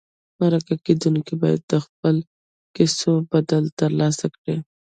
مرکه کېدونکي باید د خپلو کیسو بدل ترلاسه کړي.